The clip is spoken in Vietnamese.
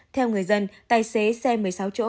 theo người dân tài xế xe một mươi sáu chỗ